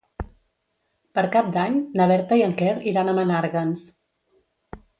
Per Cap d'Any na Berta i en Quer iran a Menàrguens.